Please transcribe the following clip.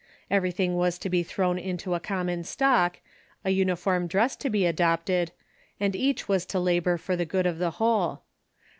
Everything was to be thrown into a common stock, a uniform dress to be adopted, and each was to labor for the good of the whole.